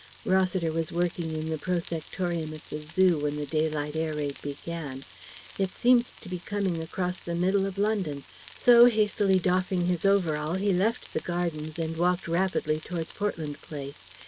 Rossiter was working in the Prosectorium at the Zoo when the daylight air raid began. It seemed to be coming across the middle of London; so, hastily doffing his overall, he left the Gardens and walked rapidly towards Portland Place.